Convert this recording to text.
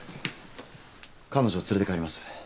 彼女を連れて帰ります。